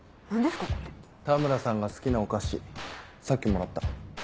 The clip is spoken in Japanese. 田村さんが好きなお菓子さっきもらった。